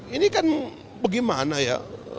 ini kan bagaimana ya